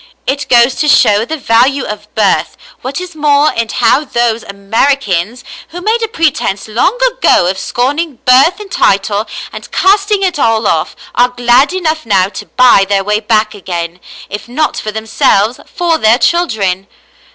It goes to show the value of birth, what is more, and how those Americans, who made^ a pretence David and his Mother ^97 long ago of scorning birth and title and casting it all off, are glad enough now to buy their way back again, if not for themselves, for their children.